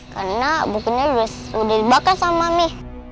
karena bukunya udah dibakar sama mi